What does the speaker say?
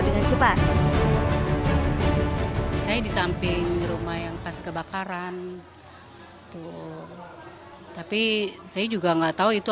dengan cepat saya di samping rumah yang pas kebakaran tuh tapi saya juga enggak tahu itu